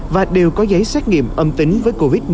và đều có giấy xét nghiệm âm tính với covid một mươi chín